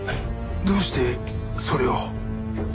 どうしてそれを。